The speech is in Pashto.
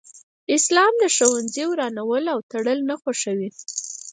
اسلام د ښوونځي ورانول او تړل نه خوښوي